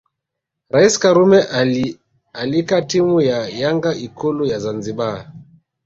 Rais Karume aliialika timu ya Yanga Ikulu ya Zanzibar